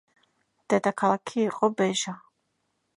დედაქალაქი იყო ბეჟა.